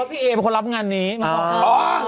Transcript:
ว่าพี่เอเป็นคนรับงานนี้นะครับ